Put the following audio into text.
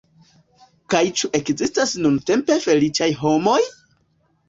Kaj ĉu ekzistas nuntempe feliĉaj homoj?